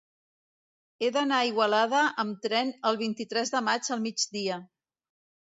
He d'anar a Igualada amb tren el vint-i-tres de maig al migdia.